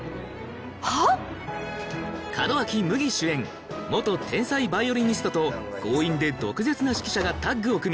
はぁ⁉門脇麦主演天才ヴァイオリニストと強引で毒舌な指揮者がタッグを組み